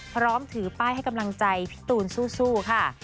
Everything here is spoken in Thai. พร้อมถือป้ายให้กำลังใจพี่ตูนสู้ค่ะ